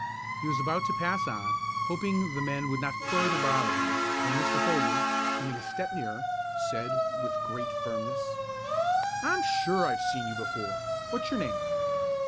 He was about to pass on, hoping the men would not further bother him, when Mr. Holdney, coming a step nearer, said with great firmness: "I'm sure I've seen you before. What's your name?"